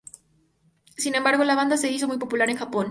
Sin embargo la banda se hizo muy popular en Japón.